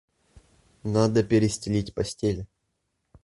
Надо перестелить постели.